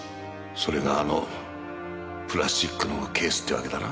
それがあのプラスチックのケースってわけだな？